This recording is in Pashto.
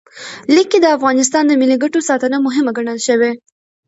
لیک کې د افغانستان د ملي ګټو ساتنه مهمه ګڼل شوې.